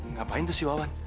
ngapain tuh si wawan